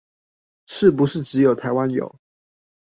是不是只有台灣有